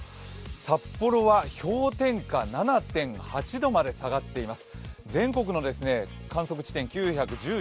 札幌は氷点下７．８度まで下がっています。